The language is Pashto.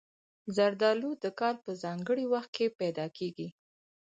زردالو د کال په ځانګړي وخت کې پیدا کېږي.